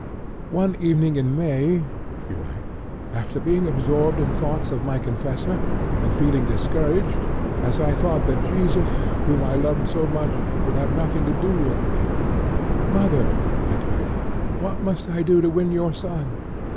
'One evening in May', she writes, 'after being absorbed in thoughts of my confessor, and feeling discouraged, as I thought that Jesus, whom I loved so much, would have nothing to do with me, "Mother," I cried out, "what must I do to win your son?"